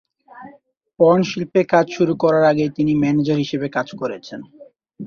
Porn শিল্পে কাজ শুরু করার আগে তিনি ম্যানেজার হিসেবে কাজ করেছেন।